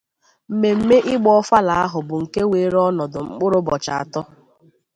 Mmemme ịgba ọfala ahụ bụ nke weere ọnọdụ mkpụrụ ụbọchị atọ